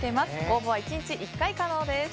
応募は１日１回可能です。